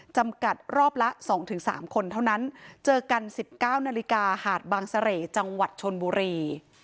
จำกัดรอบละสองถึงสามคนเท่านั้นเจอกันสิบเก้านาฬิกาหาดบางเสระจังหวัดชนบุรี